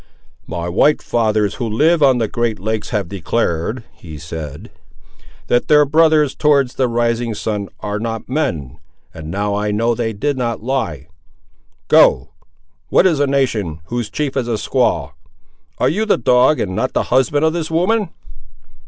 "My white fathers who live on the great lakes have declared," he said, "that their brothers towards the rising sun are not men; and now I know they did not lie! Go—what is a nation whose chief is a squaw! Are you the dog and not the husband of this woman?"